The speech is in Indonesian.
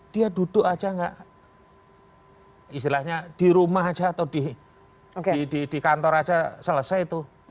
dia duduk aja gak istilahnya di rumah aja atau di kantor aja selesai tuh